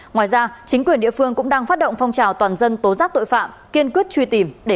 ngoài ra chính quyền địa phương cũng đang phát động phong trào toàn dân tố giác tội phạm kiên cướp truy tìm để bắt giữ đối tượng